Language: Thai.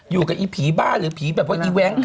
อยู่กับไอ้ผีบ้าจริง